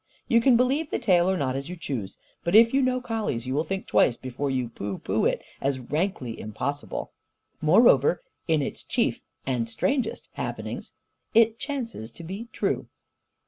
You can believe the tale or not, as you choose. But if you know collies, you will think twice before you pooh pooh it as rankly impossible. Moreover, in its chief and strangest happenings, it chances to be true.